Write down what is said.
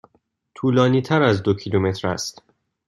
طولانی تر از دو کیلومتر است.